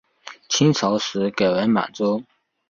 清朝时改为满洲。